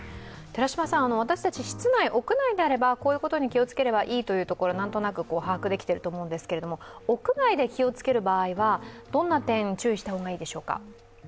私たち室内、屋内であればこういうことに気をつければいいというところをなんとなく把握していますが屋外で気をつける場合は、どんな点に注意したほうがいいでしょうか？